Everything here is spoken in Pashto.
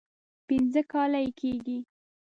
پنځه کاله یې کېږي.